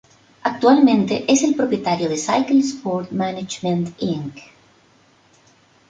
Actualmente es el propietario de Cycle Sport Management Inc.